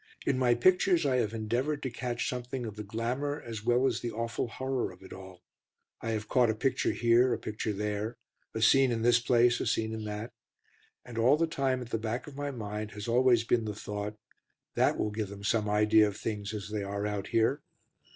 In my pictures I have endeavoured to catch something of the glamour, as well as the awful horror of it all. I have caught a picture here, a picture there; a scene in this place, a scene in that; and all the time at the back of my mind has always been the thought: "That will give them some idea of things as they are out here."